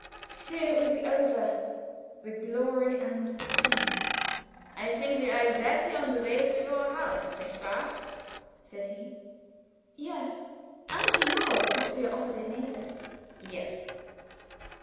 Soon it would be over "the glory and the dream." "I think we are exactly on the way to your house, nicht wahr?" said he. "Yes; and to yours since we are opposite neighbors." "Yes."